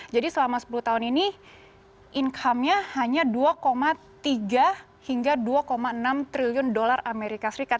jadi selama sepuluh tahun ini income nya hanya dua tiga hingga dua enam triliun dolar amerika serikat